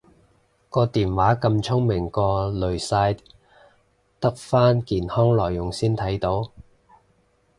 個電話咁聰明過濾晒得返健康內容先睇到？